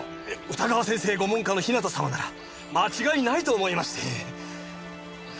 歌川先生ご門下の日向様なら間違いないと思いまして。